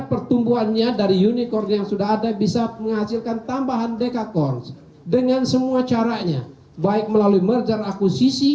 pemerintah juga mencari kekuatan ekonomi baru di indonesia